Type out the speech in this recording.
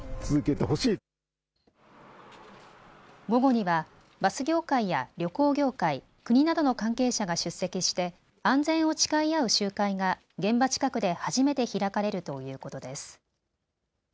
午後にはバス業界や旅行業界、国などの関係者が出席して安全を誓い合う集会が現場近くで初めて開かれるということです。